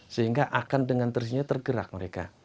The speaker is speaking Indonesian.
sehingga akan dengan tersedia tergerak mereka